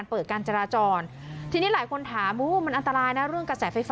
มีประชาชนในพื้นที่เขาถ่ายคลิปเอาไว้ได้ค่ะ